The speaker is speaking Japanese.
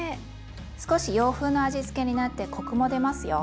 少し洋風の味付けになってコクも出ますよ。